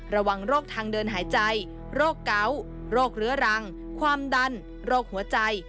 ระวังโรคทางเดินหายใจโรคเกาโรคเรื้อรังความดันโรคหัวใจ